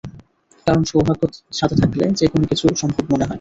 কারণ সৌভাগ্য সাথে থাকলে, যেকোনো কিছু সম্ভব মনে হয়।